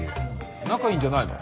仲いいんじゃないの？